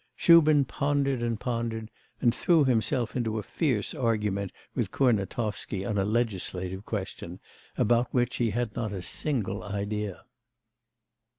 Shubin pondered and pondered, and threw himself into a fierce argument with Kurnatovsky on a legislative question, about which he had not a single idea.